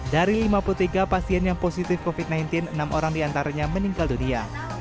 dari lima puluh tiga pasien yang positif covid sembilan belas enam orang diantaranya meninggal dunia